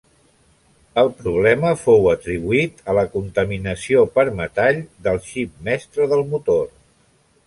El problema fou atribuït a la contaminació per metall del xip mestre del motor.